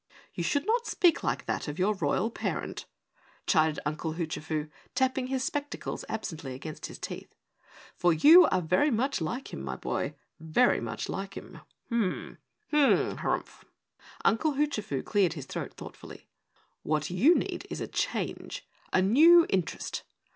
"You should not speak like that of your royal parent," chided Uncle Hoochafoo, tapping his spectacles absently against his teeth, "for you are very much like him, my boy, very much like him. Hmm! Hmm! Harumph!" Uncle Hoochafoo cleared his throat thoughtfully. "What you need is a change, a new interest.